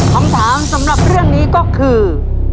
คำถามสำหรับเรื่องนี้ก็คือ